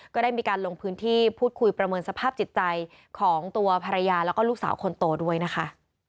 ก็ได้มีการลงพื้นที่พูดคุยประเมินสภาพจิตใจของตัวภรรยาแล้วก็ลูกสาวคนโตด้วยนะคะ